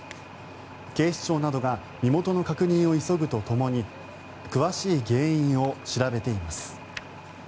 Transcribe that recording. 警視庁などが身元の確認を急ぐとともに詳しい原因を調べています。